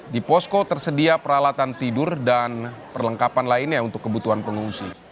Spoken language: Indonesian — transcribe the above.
di posko tersedia peralatan tidur dan perlengkapan lainnya untuk kebutuhan pengungsi